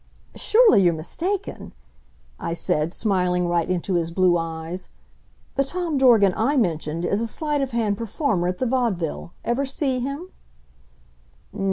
"Surely you're mistaken," I said, smiling right into his blue eyes. "The Tom Dorgan I mentioned is a sleight of hand performer at the Vaudeville. Ever see him?"